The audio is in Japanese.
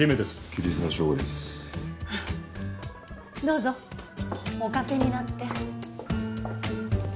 どうぞおかけになって。